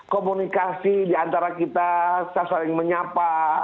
komunikasi di antara kita saya saling menyapa